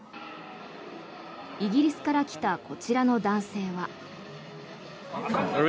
イギリスから来たこちらの男性は。